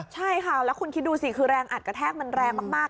ใช่ค่ะแล้วคุณคิดดูสิคือแรงอัดกระแทกมันแรงมาก